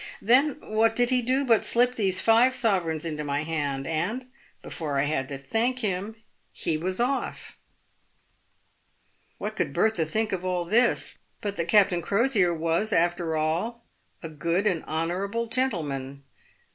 Then what did he do, but slip these five sovereigns into my hand, and, before I had time to thank him, he was off." What could Bertha think of all this, but that Captain Crosier was, after all, a good and honourable gentleman ?